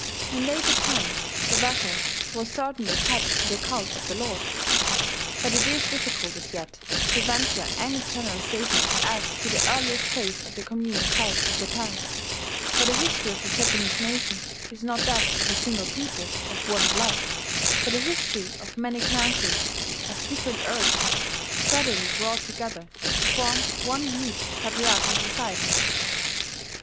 In later times the vassal was certainly attached to the cult of the lord. But it is difficult as yet to venture any general statement as to the earliest phase of the communal cult in Japan; for the history of the Japanese nation is not that of a single people of one blood, but a history of many clan groups, of different origin, gradually brought together to form one huge patriarchal society.